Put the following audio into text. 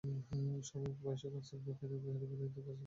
সময় ও বয়সের কনসেপ্ট কেন মেনে নিতে পারছো না তুমি?